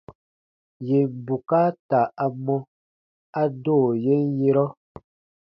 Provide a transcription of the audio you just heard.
Yèn bukaata a mɔ, a do yen yerɔ.